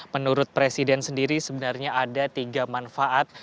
menurut presiden sendiri sebenarnya ada tiga manfaat